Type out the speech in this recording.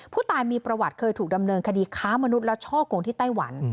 ผู้ตายมีประวัติเคยถูกดำเนินคดีค้ามนุษย์และช่อกงที่ไต้หวัน